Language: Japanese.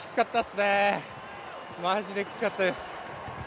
マジできつかったです。